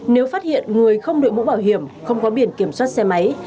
nếu phát hiện người không đội mũ bảo hiểm không có biển kiểm soát xe máy